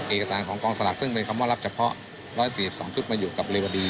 เอกสารของกองสลากซึ่งเป็นคำว่ารับเฉพาะ๑๔๒ชุดมาอยู่กับเรวดี